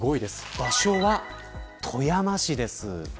場所は富山市です。